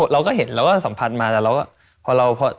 เราก็เห็นเราก็สัมผัสมา